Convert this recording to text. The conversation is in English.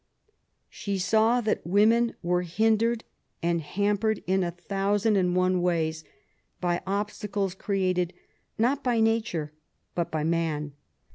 She . saw that women were hindered and hampered in a thousand and one ways by obstacles created not by 1^ nature, but by man.